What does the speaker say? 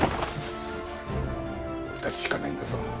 俺たちしかないんだぞ